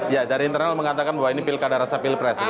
ya dari internal mengatakan bahwa ini pilkada rasa pilpres